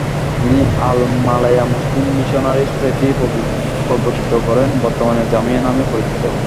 তিনি all Malaya Muslim missionary society প্রবর্তিত করেন, বর্তমানে জামিয়া নামে পরিচিত।